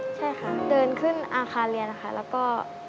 ใช่ค่ะเดินขึ้นอาคารเรียนค่ะแล้วก็